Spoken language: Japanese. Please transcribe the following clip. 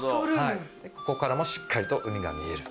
ここからもしっかりと海が見える。